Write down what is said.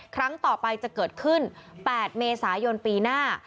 ครั้งต่อไปจะเกิดขึ้น๘เมษายนปีหน้า